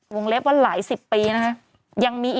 วงเล็บวันหลาย๑๐ปี